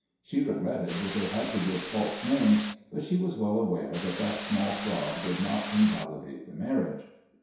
She regretted that they had to give false names, but she was well aware that that small fraud would not invalidate the marriage.